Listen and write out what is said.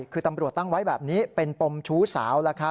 คือตำรวจตั้งไว้แบบนี้เป็นปมชู้สาว